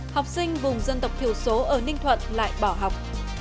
học sinh vùng dân tộc thiểu số ở ninh thuận lại bỏ học